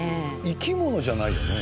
生き物じゃないよね？